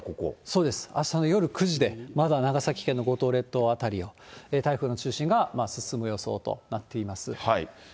そうです、あしたの夜９時で、まだ長崎県の五島列島辺りを台風の中心が進む予想となっています。